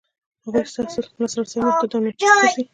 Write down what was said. هغو ته ستاسو لاسرسی محدود او ناچیز ګرځي.